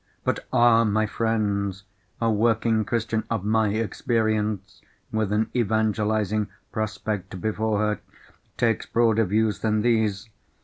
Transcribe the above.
But ah, my friends! a working Christian of my experience (with an evangelising prospect before her) takes broader views than these.